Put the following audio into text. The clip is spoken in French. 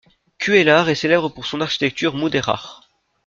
Cuéllar est célèbre pour son architecture mudéjar.